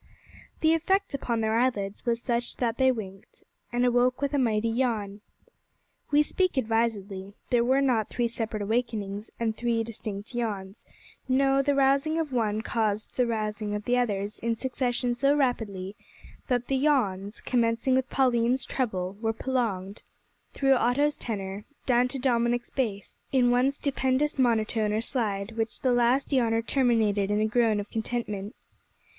The effect upon their eyelids was such that they winked, and awoke with a mighty yawn. We speak advisedly. There were not three separate awakenings and three distinct yawns; no, the rousing of one caused the rousing of the others in succession so rapidly that the yawns, commencing with Pauline's treble, were prolonged, through Otto's tenor down to Dominick's bass, in one stupendous monotone or slide, which the last yawner terminated in a groan of contentment.